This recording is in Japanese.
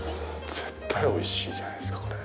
絶対おいしいじゃないですか、これ。